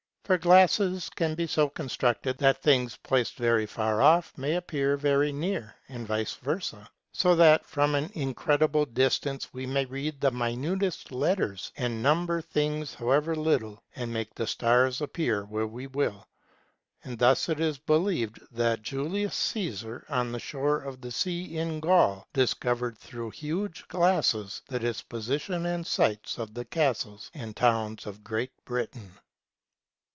For glasses can be so constructed that things placed very far off may appear very near, and vice versa; so that from an incredible distance we may read the minutest letters, and num ber things however little, and make the stars appear where we will. For thus it is believed that Julius Caesar, on the shore of the sea in Gaul, discovered through huge glasses the disposition and sites of the castles and towns of Great Britain.